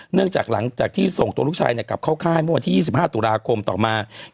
หลังจากที่ส่งตัวลูกชายกลับเข้าค่ายเมื่อวันที่๒๕ตุลาคมต่อมา